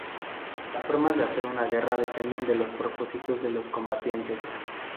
Las formas de hacer una guerra dependen de los propósitos de los combatientes.